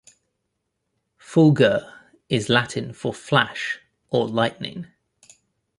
Fulgur is Latin for "flash" or "lightning".